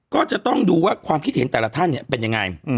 ก็จะต้องดูว่าความคิดเห็นแต่ละท่านเป็นยังไง